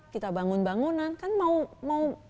kita bangun bangunan kan mau